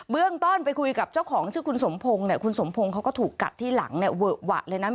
เรื่องต้นไปคุยกับเจ้าของชื่อคุณสมพงศ์เนี่ยคุณสมพงศ์เขาก็ถูกกัดที่หลังเนี่ยเวอะหวะเลยนะ